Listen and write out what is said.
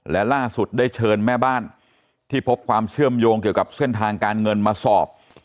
และล่าสุดได้เชิญแม่บ้านที่พบความเชื่อมโยงเกี่ยวกับเส้นทางการเงินมาสอบ